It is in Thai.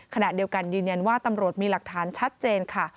ขณะเดียวกันยืนยันว่าตำรวจมีหลักฐานชัดเจนค่ะ